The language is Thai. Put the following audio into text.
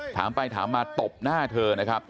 ถามไปถามมาตบหน้าเธอนะครับ